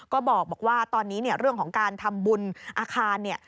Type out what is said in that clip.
ก็บอกว่าตอนนี้เนี่ยเรื่องของการทำบุญอาคารเนี่ย